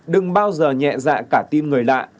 đừng bao giờ nhẹ dạ cả tim người lạ